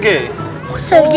nama saya sergei